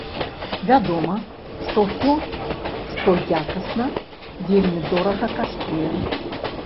Вядома, што ўсё, што якасна, вельмі дорага каштуе.